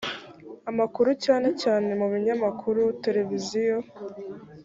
amakuru cyane cyane mu binyamakuru televiziyo